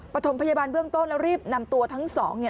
ประถมพยาบาลเบื้องต้นแล้วรีบนำตัวทั้งสองเนี่ย